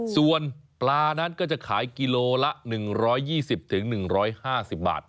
ส่วนปลานั้นก็จะขายกิโลละ๑๒๐๑๕๐บาท